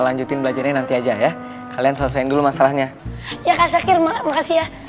lanjutin belajar nanti aja ya kalian selesain dulu masalahnya ya kakir makasih ya iya nggak apa apa